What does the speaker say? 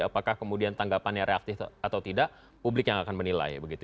apakah kemudian tanggapannya reaktif atau tidak publik yang akan menilai begitu